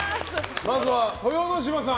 まずは、豊ノ島さん